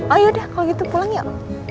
oh yaudah kalau gitu pulang ya